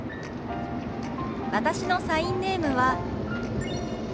私のサインネームはこうです。